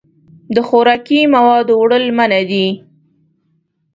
د خوراکي موادو وړل منع دي.